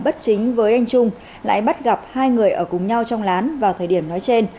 bất chính với anh trung lại bắt gặp hai người ở cùng nhau trong lán vào thời điểm nói trên